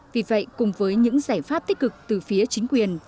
vì vậy cùng với những giải pháp tích cực từ phía chính quyền